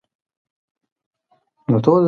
فکر وکړئ او لاره ومومئ.